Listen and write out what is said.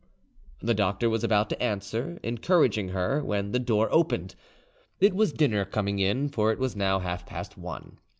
The doctor was about to answer, encouraging her, when the door opened: it was dinner coming in, for it was now half past one.